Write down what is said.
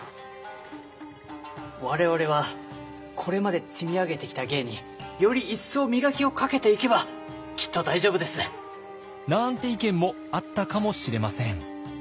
我々はこれまで積み上げてきた芸により一層磨きをかけていけばきっと大丈夫です。なんて意見もあったかもしれません。